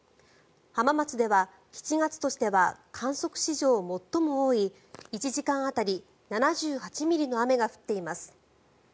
浜松では７月としては観測史上最も多い１時間当たり７８ミリの雨が降っています。